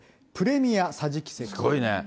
すごいね。